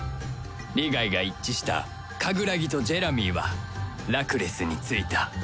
利害が一致したカグラギとジェラミーはラクレスについた